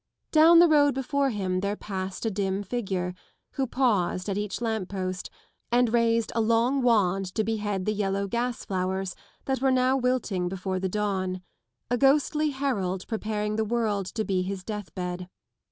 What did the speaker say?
Down the road before him there passed a dim figure, who paused at each lamp post and raised a long wand to behead the yellow gas flowers that were now wilting before the dawn : a ghostly herald preparing the world to be his deathbed.